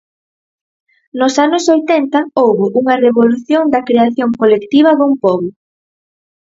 Nos anos oitenta houbo unha revolución da creación colectiva dun pobo.